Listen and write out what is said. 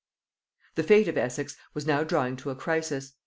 ]The fate of Essex was now drawing to a crisis.